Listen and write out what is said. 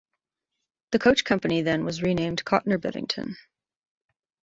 The coach company then was renamed "Cotner-Bevington".